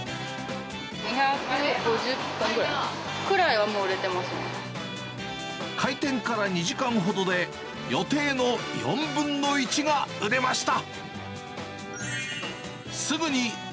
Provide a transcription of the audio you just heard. ２５０本くらいはもう売れて開店から２時間ほどで、予定の４分の１が売れました。